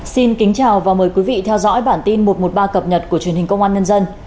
xin kính chào và mời quý vị theo dõi bản tin một trăm một mươi ba cập nhật của truyền hình công an nhân dân